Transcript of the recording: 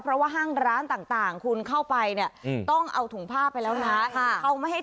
เพราะว่าห้างร้านต่างครับแล้วถุงผ้าไปแล้วเข้ามาให้ถุงพลาสติกออกมาแล้ว